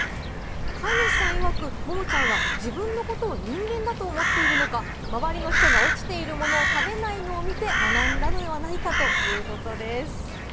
飼い主さんいわく、モモちゃんは自分のことを人間だと思っているのか、周りの人が落ちているものを食べないのを見て学んだのではないかということです。